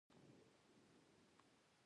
چې په کور کې وو یو بل ته حرامېږي.